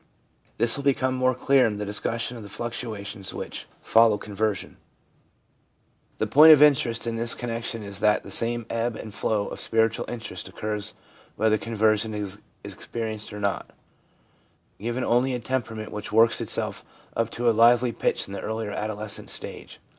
This will become more clear in the discussion of the fluctuations which follow conversion. The point 248 THE PSYCHOLOGY OF RELIGION of interest in this connection is that the same ebb and flow of spiritual interest occurs whether conversion is experienced or not, given only a temperament which works itself up to a lively pitch in the earlier adolescent stage.